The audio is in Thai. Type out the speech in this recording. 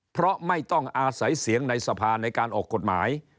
เพราะไม่ต้องอาศัยเสียงในสภาในการออกกฎหมาย